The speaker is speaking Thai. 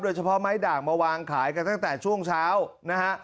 เฉพาะไม้ด่างมาวางขายกันตั้งแต่ช่วงเช้านะฮะ